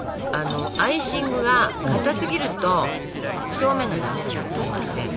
アイシングが固すぎると表面が滑らかになりません。